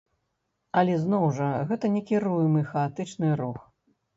Але зноў жа, гэта некіруемы, хаатычны рух.